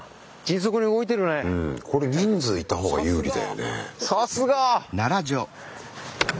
これ人数いた方が有利だよね。